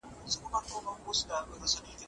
د سیاست پرېکړې په سمه توګه پلي کړئ.